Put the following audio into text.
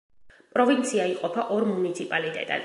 პროვინცია იყოფა ორ მუნიციპალიტეტად.